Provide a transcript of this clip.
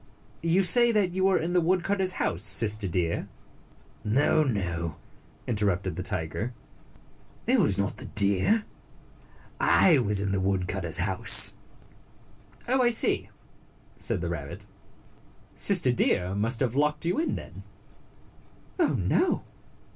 You say that you were in the woodcutters house, Sister Deer?" " No, no," interrupted the tiger. " It was not the deer. I was in the woodcutter's house." "Oh, I see," said the rabbit. "Sister Deer must have locked you in, then." "Oh, no!"